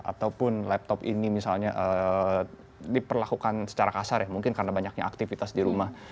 ataupun laptop ini misalnya diperlakukan secara kasar ya mungkin karena banyaknya aktivitas di rumah